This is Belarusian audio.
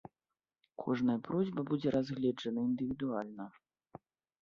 Кожная просьба будзе разгледжана індывідуальна.